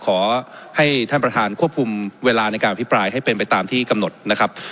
ขอให้ท่านประธานควบคุมเวลาในการอภิปรายให้เป็นไปตามที่กำหนดนะครับ